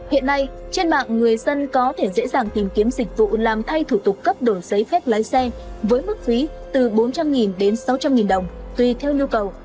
hiện nay trên mạng người dân có thể dễ dàng tìm kiếm dịch vụ làm thay thủ tục cấp đổi giấy phép lái xe với mức phí từ bốn trăm linh đến sáu trăm linh đồng tùy theo nhu cầu